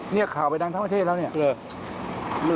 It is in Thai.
นี่ข่าวไปดังทั้งประเทศแล้วเนี่ย